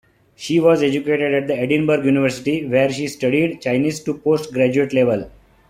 She was educated at Edinburgh University where she studied Chinese to post-graduate level.